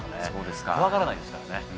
怖がらないですから。